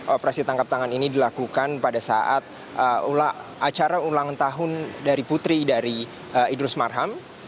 operasi tanggal ini dilakukan pada saat acara ulang tahun dari putri dari idris marham